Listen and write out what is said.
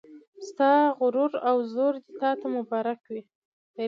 ستا غرور او زور دې تا ته مبارک وي